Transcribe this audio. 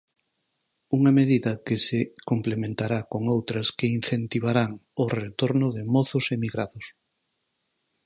Unha medida que se complementará con outras que incentivarán o retorno de mozos emigrados.